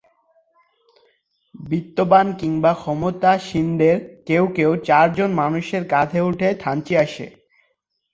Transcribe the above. বিত্তবান কিংবা ক্ষমতাসীনদের কেউকেউ চারজন মানুষের কাঁধে উঠে থানচি আসে।